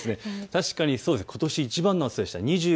確かにことしいちばんの暑さでした。